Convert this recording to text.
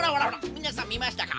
みなさんみましたか？